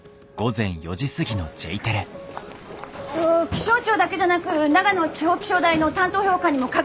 気象庁だけじゃなく長野地方気象台の担当予報官にも確認して。